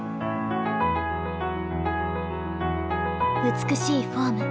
美しいフォーム。